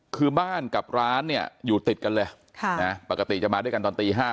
คือบ้านกับร้านเนี่ยอยู่ติดกันเลยปกติจะมาด้วยกันตอนตี๕